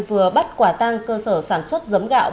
vừa bắt quả tăng cơ sở sản xuất giống gạo